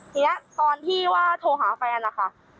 ทีนี้ตอนที่ว่าโทรหาแฟนนะคะ